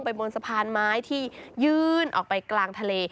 บนสะพานไม้ที่ยื่นออกไปกลางทะเล